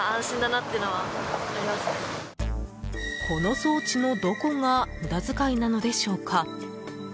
この装置のどこが無駄遣いなのでしょうか？